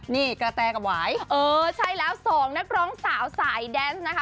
นี่กระแตกับหวายเออใช่แล้วสองนักร้องสาวสายแดนส์นะคะ